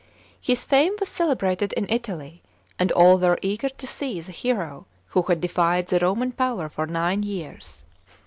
His fame was celebrated in Italy, and all were eager to see the hero who had defied the Roman power for nine years.